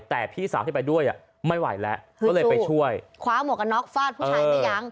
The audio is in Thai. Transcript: แต่พี่สาวที่ไปด้วยอ่ะไม่ไหวแล้วก็เลยไปช่วยคว้าหมวกกันน็อกฟาดผู้ชายไม่ยั้ง